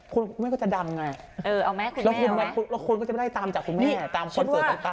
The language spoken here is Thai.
คุณแม่ก็จะดังไงแล้วคนก็จะไม่ได้ตามจากคุณแม่ตามคอนเสิร์ตต่าง